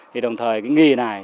thì đồng thời cái nghề này